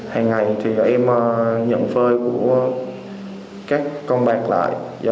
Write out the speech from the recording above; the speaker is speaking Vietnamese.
hàng ngày thì em nhận phơi của các công bạn lại